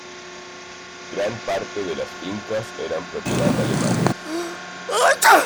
Gran parte de las fincas eran propiedad de alemanes.